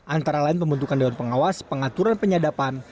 antara lain pembentukan dewan pengawas pengaturan penyadapan